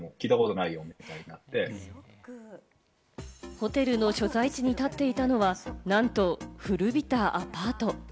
ホテルの所在地に立っていたのは、なんと古びたアパート。